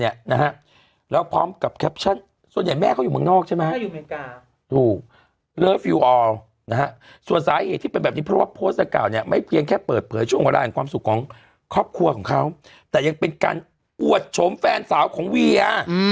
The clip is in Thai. กรทโพสต์เก่าเนี่ยไม่เพียงแค่เปิดเผยช่วงออกได้ความสุขของครอบครัวของเขาแต่ยังเป็นการอวดชมแฟนสาวของเวีย